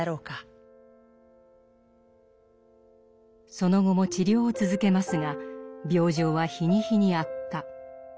その後も治療を続けますが病状は日に日に悪化。